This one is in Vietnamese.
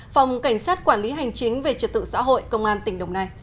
phòng cảnh sát quản lý hành chính về trật tự xã hội công an tỉnh đồng nai